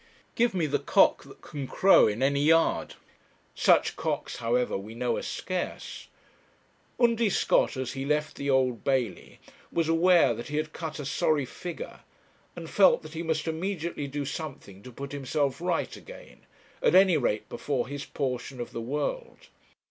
Give me the cock that can crow in any yard; such cocks, however, we know are scarce. Undy Scott, as he left the Old Bailey, was aware that he had cut a sorry figure, and felt that he must immediately do something to put himself right again, at any rate before his portion of the world.